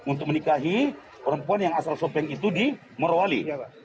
untuk menikahi perempuan yang asal sopeng itu di morowali